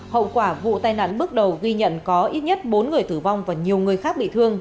hậu quả vụ tai nạn bước đầu ghi nhận có ít nhất bốn người tử vong và nhiều người khác bị thương